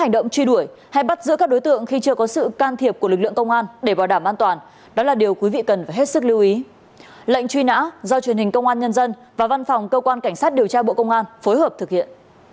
do truyền hình công an nhân dân và văn phòng cơ quan cảnh sát điều tra bộ công an phối hợp thực hiện